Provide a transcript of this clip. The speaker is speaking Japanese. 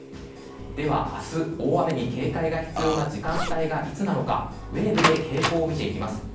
では明日大雨に警戒が必要な時間帯がいつなのかウェーブで傾向を見ていきます。